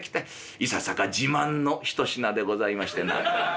いささか自慢の一品でございましてな」。